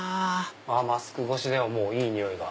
マスク越しでももういい匂いが。